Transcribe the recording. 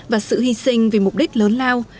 và sự hy sinh vì mục đích lớn lao